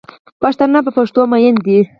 پښتانه په پښتو میین دی